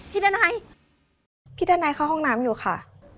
ดันัยพี่ดันัยเข้าห้องน้ำอยู่ค่ะ